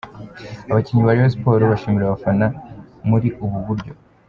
Abakinnyi ba Rayon Sports bashimira abafana muri ubu buryo